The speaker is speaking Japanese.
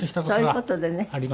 そういう事でね。